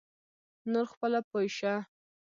نور خپله پوی شه.